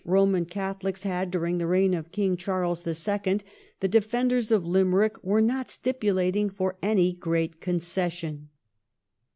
Eoman Catholics had during the reign of King Charles the Second the defenders of Limerick were not stipulating for any great concession.